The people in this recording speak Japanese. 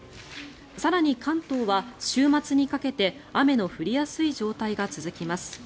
更に関東は週末にかけて雨の降りやすい状態が続きます。